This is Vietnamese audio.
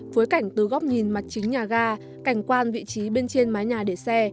phối cảnh từ góc nhìn mặt chính nhà ga cảnh quan vị trí bên trên mái nhà để xe